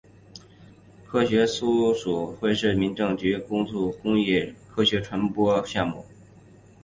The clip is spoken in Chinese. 科学松鼠会是民政注册非营利机构哈赛中心旗下的一个公益科学传播项目。